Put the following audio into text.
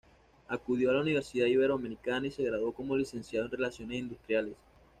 Acudió a la Universidad Iberoamericana y se graduó como Licenciado en Relaciones Industriales.